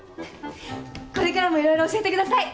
これからも色々教えてください。